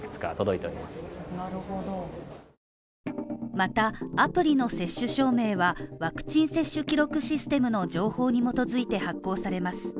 また、アプリの接種証明はワクチン接種記録システムの情報に基づいて発行されます。